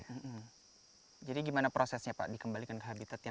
ini berarti tumbuhannya akan diapakan apa kami kembalikan ke habitatnya